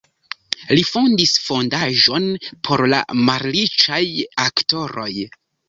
Li fondis fondaĵon por la malriĉaj aktoroj.